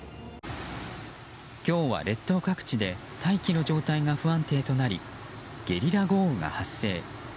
今日は列島各地で大気の状態が不安定となりゲリラ豪雨が発生。